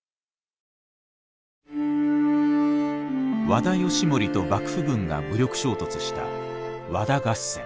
和田義盛と幕府軍が武力衝突した和田合戦。